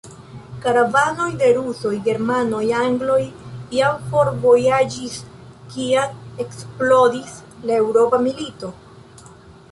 Karavanoj de Rusoj, Germanoj, Angloj jam forvojaĝis, kiam eksplodis la eŭropa milito.